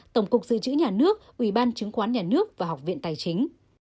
tổng cục dự trữ nhà nước ủy ban chứng khoán nhà nước và học viện tài chính